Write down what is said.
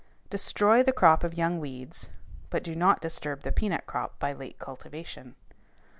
Destroy the crop of young weeds, but do not disturb the peanut crop by late cultivation.